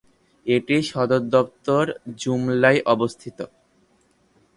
এটির সদরদপ্তর জুমলায় অবস্থিত।